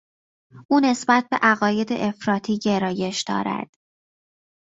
او نسبت به عقاید افراطی گرایش دارد.